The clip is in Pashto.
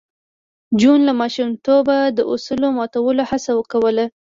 جون له ماشومتوبه د اصولو ماتولو هڅه کوله